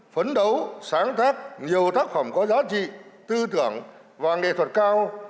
phấn đấu sáng tác nhiều tác phẩm có giá trị tư tưởng và nghệ thuật cao